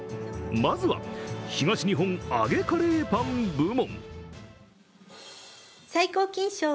まずは、東日本揚げカレーパン部門